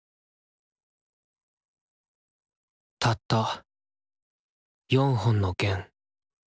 たった４本の弦。